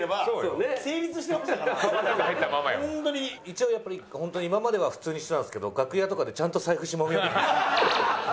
一応やっぱりホントに今までは普通にしてたんですけど楽屋とかでちゃんと財布しまおうって思いましたね。